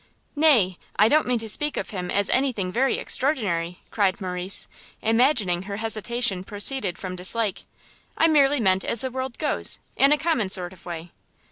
"Nay, I don't mean to speak of him as any thing very extraordinary," cried Morrice, imagining her hesitation proceeded from dislike, "I merely meant as the world goes, in a common sort of a way."